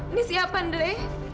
ini siapa andre